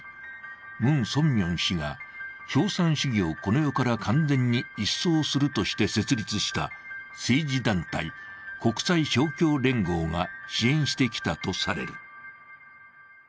ムン・ソンミョン氏が共産主義をこの世から完全に一掃するとして設立した政治団体・国際勝共連合が支援してきたとされる。